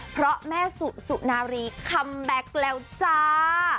เพราะแม่สุสุนารีคัมแบ็คแล้วจ้า